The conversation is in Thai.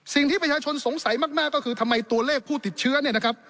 สิ่งที่ประชาชนสงสัยมากก็คือทำไมตัวเลขผู้ติดเชื้อเนี่ยนะครับ